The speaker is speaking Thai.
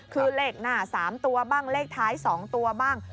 คือเลขหน้า๓ตัวบ้างเลขท้าย๒ตัวบ้าง